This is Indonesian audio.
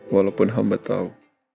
walaupun hamba tahu